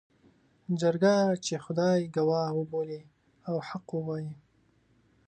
جرګه چې خدای ګواه وبولي او حق ووايي.